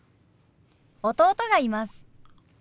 弟がいます。